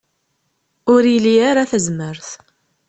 Ur ili ara tazmert.